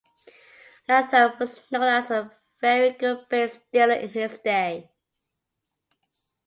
Latham was known as a very good base stealer in his day.